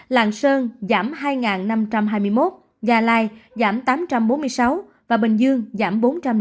làng sơn giảm hai năm trăm hai mươi một gia lai giảm tám trăm bốn mươi sáu và bình dương giảm bốn trăm linh sáu